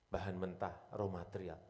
bahan mentah raw material